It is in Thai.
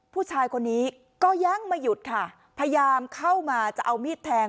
ผู้ชายคนนี้ก็ยังไม่หยุดค่ะพยายามเข้ามาจะเอามีดแทง